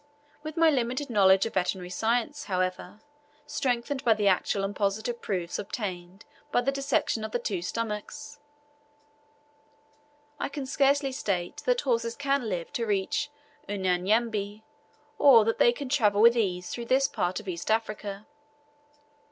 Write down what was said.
With my limited knowledge of veterinary science, however, strengthened by the actual and positive proofs obtained by the dissection of the two stomachs, I can scarcely state that horses can live to reach Unyanyembe, or that they can travel with ease through this part of East Africa.